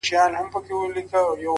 تر پرون مي يوه کمه ده راوړې،